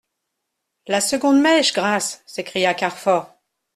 La seconde mèche ! Grâce ! s'écria Carfor.